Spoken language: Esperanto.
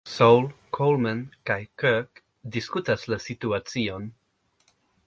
Sole, Coleman kaj "Kirk" diskutas la situacion.